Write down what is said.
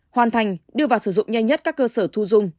hoàn thành đưa vào sử dụng nhanh nhất các cơ sở thu dung